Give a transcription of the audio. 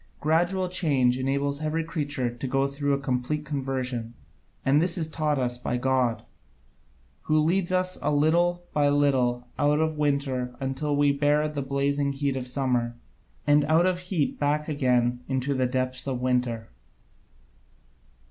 Gradual change enables every creature to go through a complete conversion; and this is taught us by God, who leads us little by little out of winter until we can bear the blazing heat of summer, and out of heat back again into the depths of winter.